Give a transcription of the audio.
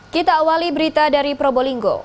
kita awali berita dari probolinggo